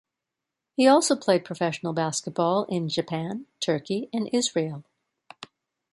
He also played professional basketball in Japan, Turkey and Israel.